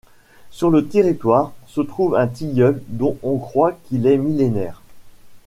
Sur le territoire, se trouve un tilleul dont on croit qu'il est millénaire.